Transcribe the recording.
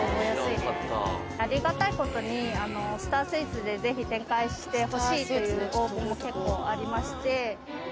ありがたいことにスタースイーツでぜひ展開してほしいという応募も結構ありまして。